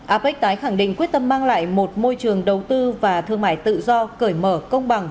apec tái khẳng định quyết tâm mang lại một môi trường đầu tư và thương mại tự do cởi mở công bằng